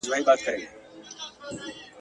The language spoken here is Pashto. په ځينو هېوادونو کي